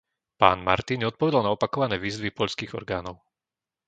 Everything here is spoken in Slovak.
Pán Marty neodpovedal na opakované výzvy poľských orgánov.